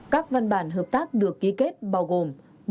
các văn bản hợp tác được ký kết bao gồm